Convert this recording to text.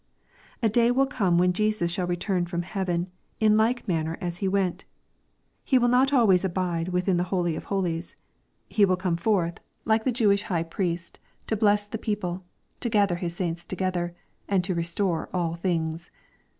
A day will come when Jesus shall return from heaven, in like manner as Jle went. He will not always abide within the holy of holies. He will come forth, like the LUKE, CHAP. XXIV. 527 Jewish high priest, to bless the people, to gather His saints together, and to restore all things.